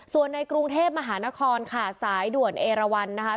ส่วนในกรุงเทพฯมหาละครค่ะสายด่วนเอรวร